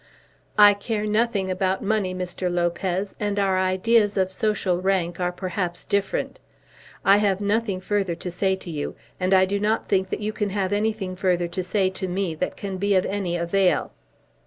"I care nothing about money, Mr. Lopez, and our ideas of social rank are perhaps different. I have nothing further to say to you, and I do not think that you can have anything further to say to me that can be of any avail."